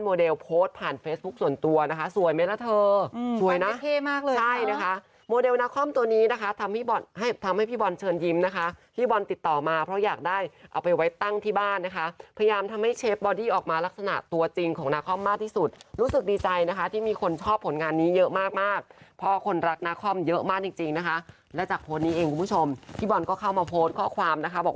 โมเดลนักคล่อมตัวนี้นะคะทำให้พี่บอลเชิญยิ้มนะคะพี่บอลติดต่อมาเพราะอยากได้เอาไปไว้ตั้งที่บ้านนะคะพยายามทำให้เชฟบอดี้ออกมาลักษณะตัวจริงของนักคล่อมมากที่สุดรู้สึกดีใจนะคะที่มีคนชอบผลงานนี้เยอะมากเพราะคนรักนักคล่อมเยอะมากจริงนะคะและจากโพสต์นี้เองคุณผู้ชมพี่บอลก็เข้ามาโพสต์ข้อความนะคะบอก